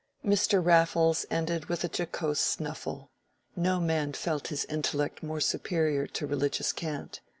Mr. Raffles ended with a jocose snuffle: no man felt his intellect more superior to religious cant.